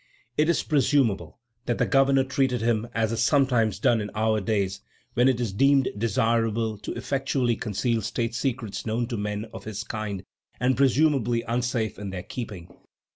It is presumable that the governor treated him as is sometimes done in our days, when it is deemed desirable to effectually conceal state secrets known to men of his kind and presumably unsafe in their keeping.